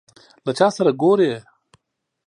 له چا سره ګورې ؟